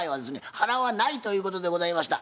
払わないということでございました。